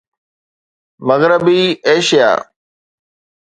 مغربي ايشيا